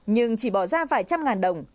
nhưng chỉ bỏ ra vài trăm ngàn đồng